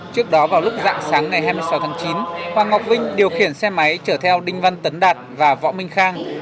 trước đó vào lúc dạng sáng ngày hai mươi sáu tháng chín hoàng ngọc vinh điều khiển xe máy chở theo đinh văn tấn đạt và võ minh khang